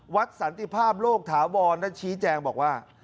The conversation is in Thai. วัดสันติภาพโลกถาวรและชีแจงบอกว่า